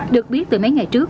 được biết từ mấy ngày trước